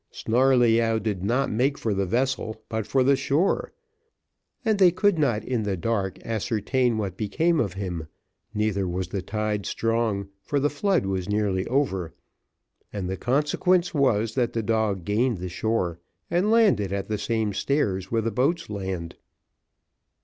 Snarleyyow did not make for the vessel, but for the shore, and they could not in the dark ascertain what became of him, neither was the tide strong, for the flood was nearly over; the consequence was, that the dog gained the shore, and landed at the same stairs where the boats land.